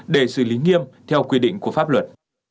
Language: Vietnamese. để xử lý nghiêm theo quy định của pháp luật